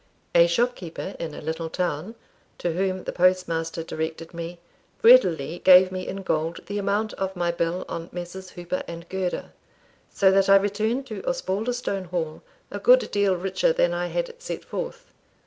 A shopkeeper in a little town, to whom the post master directed me, readily gave me in gold the amount of my bill on Messrs. Hooper and Girder, so that I returned to Osbaldistone Hall a good deal richer than I had set forth.